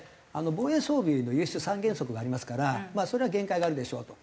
防衛装備の輸出三原則がありますからそれは限界があるでしょうと。